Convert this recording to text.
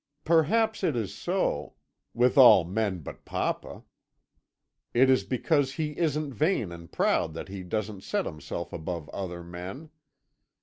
Perhaps it is so with all men but papa. It is because he isn't vain and proud that he doesn't set himself above other men.